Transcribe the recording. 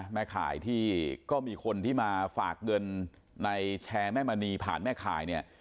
ข่ายที่ก็มีคนที่มาฝากเงินในแชร์แม่มณีผ่านแม่ข่ายเนี่ย